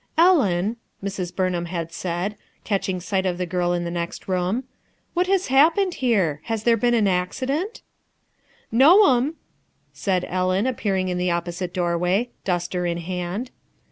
"Ellen/' Mrs. Burnham had said, catching sight of the girl in the next room, "what has happened here? Has there been an accident V J "No, m'm/' said Ellen, appearing in the op posite doorway, duster in hand.